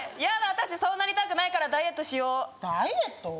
私そうなりたくないからダイエットしようダイエット？